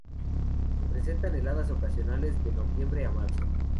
Se presentan heladas ocasionales de noviembre a marzo.